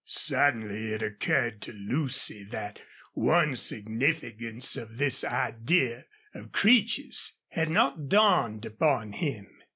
Suddenly it occurred to Lucy that one significance of this idea of Creech's had not dawned upon him.